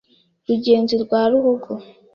Rugenzi rwa Ruhogo